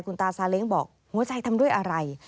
คุณตาซาเล้งบอกหัวใจทำด้วยอะไร